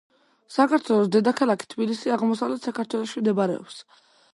საქართველოს დედაქალაქი თბილისი აღმოსავლეთ საქართველოში მდებარეობს.